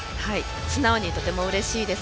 素直にとてもうれしいです。